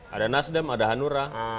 ada nasdem ada hanura